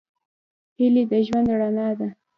هیلې د ژوند رڼا ده.